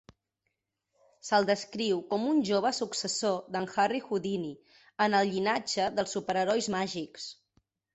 Se'l descriu com un jove successor d'en Harry Houdini en el llinatge dels super-herois màgics.